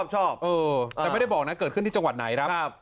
ชอบแต่ไม่ได้บอกนะเกิดขึ้นที่จังหวัดไหนครับ